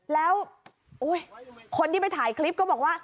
แล้วคนที่ไปถ่ายคลิปก็บอกว่า